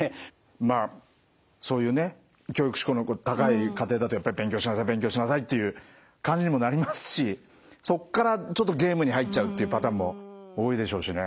まあそういうね教育指向の高い家庭だとやっぱり勉強しなさい勉強しなさいっていう感じにもなりますしそっからちょっとゲームに入っちゃうっていうパターンも多いでしょうしね。